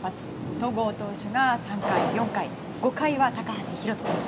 戸郷投手が３回、４回５回は高橋宏斗投手